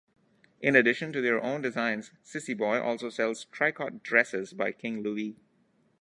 In addition to their own designs, Sissy-Boy also sells tricot dresses by King Louie.